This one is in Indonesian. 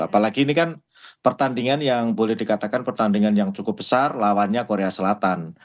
apalagi ini kan pertandingan yang boleh dikatakan pertandingan yang cukup besar lawannya korea selatan